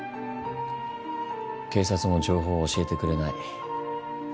警察も情報を教えてくれない。